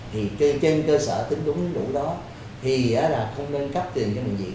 thì trên cơ sở tính đúng đủ đó thì không nên cấp tiền cho bệnh viện